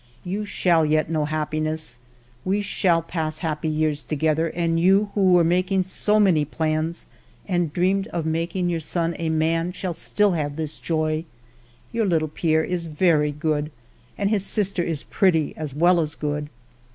" You shall yet know happiness ; we shall pass happy years together, and you who were making so many plans, and dreamed of making your son a man, shall still have this joy. Your little Pierre is very good, and his sister is pretty as well as good.